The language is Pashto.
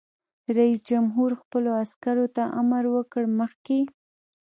رئیس جمهور خپلو عسکرو ته امر وکړ؛ مخکې!